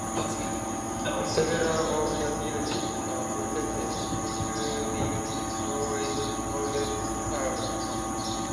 Several of the buildings are protected, including Norway's oldest tavern.